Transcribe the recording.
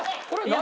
何？